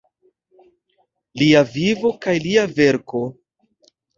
Lia vivo kaj lia verko.